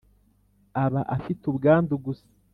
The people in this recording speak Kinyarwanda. aba afite ubwandu gusa